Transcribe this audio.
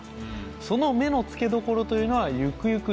その目のつけどころというのはゆくゆく